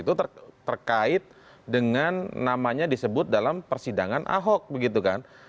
itu terkait dengan namanya disebut dalam persidangan ahok begitu kan